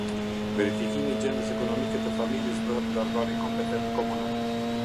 Verifikimi i gjendjes ekonomike të familjes bëhet nga organi kompetent komunal.